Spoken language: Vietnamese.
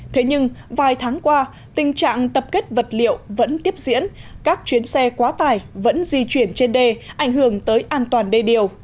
thế nhưng vài tháng qua tình trạng tập kết vật liệu vẫn tiếp diễn các chuyến xe quá tải vẫn di chuyển trên đê ảnh hưởng tới an toàn đê điều